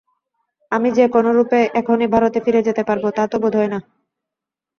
আমি যে কোনরূপে এখনি ভারতে ফিরে যেতে পারব, তা তো বোধ হয় না।